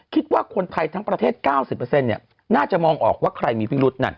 คิดว่าคนไทยทั้งประเทศ๙๐เปอร์เซ็นต์เนี่ยน่าจะมองออกว่าใครมีภิกษ์รุดน่ะ